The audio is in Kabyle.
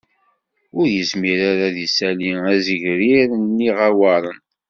Ur yezmir ara ad d-isali azegrir n iɣewwaṛen